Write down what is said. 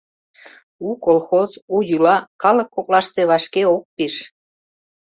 У колхоз, у йӱла калык коклаште вашке ок пиж.